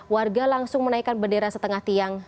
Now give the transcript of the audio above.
warga langsung menaikkan bendera setengah tiang